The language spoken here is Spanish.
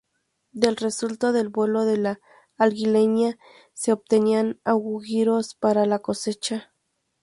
Del resultado del vuelo de la aguileña se obtenían augurios para la cosecha.